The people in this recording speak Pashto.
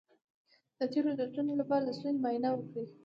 د تیرولو د ستونزې لپاره د ستوني معاینه وکړئ